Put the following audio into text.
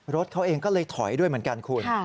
รถเขาเองก็เลยถอยด้วยเหมือนกันคุณ